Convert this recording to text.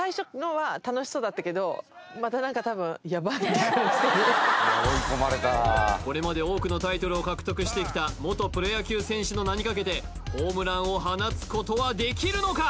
ファウルこれまで多くのタイトルを獲得してきた元プロ野球選手の名にかけてホームランを放つことはできるのか？